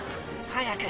早く！